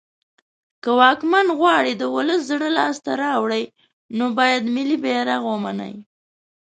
که واکمن غواړی د ولس زړه لاس ته راوړی نو باید ملی بیرغ ومنی